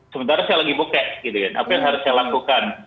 sementara saya lagi buka gitu kan apa yang harus saya lakukan